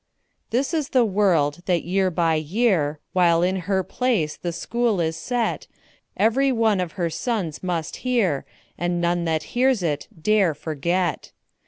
This is the word that year by year, While in her place the School is set, Every one of her sons must hear, And none that hears it dare forget.